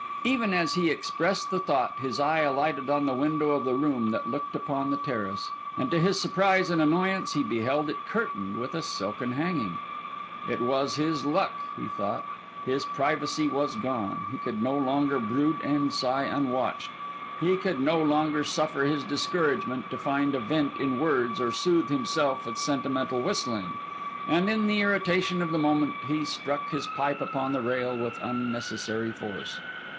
Even as he expressed the thought, his eye alighted on the window of the room that looked upon the terrace; and to his surprise and annoyance, he beheld it curtained with a silken hanging. It was like his luck, he thought; his privacy was gone, he could no longer brood and sigh unwatched, he could no longer suffer his discouragement to find a vent in words or soothe himself with sentimental whistling; and in the irritation of the moment, he struck his pipe upon the rail with unnecessary force.